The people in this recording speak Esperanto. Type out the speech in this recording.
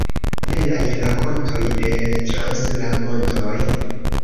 Belaj rakontoj el trans la montoj.